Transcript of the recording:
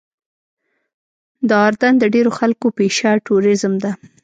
د اردن د ډېرو خلکو پیشه ټوریزم ده.